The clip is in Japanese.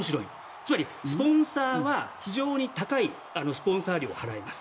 つまり、スポンサーは非常に高いスポンサー料を払います。